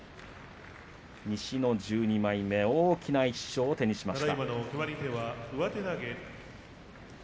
西の１２枚目大きな１勝を手にしました。